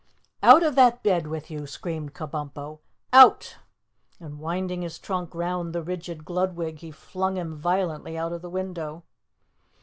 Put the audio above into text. "Out of that bed with you!" screamed Kabumpo, "OUT!" And winding his trunk round the rigid Gludwig, he flung him violently out of the window.